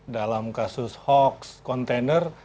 dalam kasus hoax kontainer